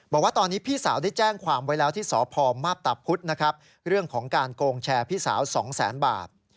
บอกว่าตอนนี้พี่สาวได้แจ้งความไว้แล้วที่สพมาพตาพุธนะครับเรื่องของการโกงแชร์พี่สาว๒แสนบาท